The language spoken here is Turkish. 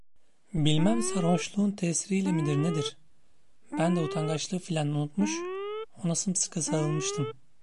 Bilmem sarhoşluğun tesiriyle midir nedir, ben de utangaçlığı filân unutmuş, ona sımsıkı sarılmıştım.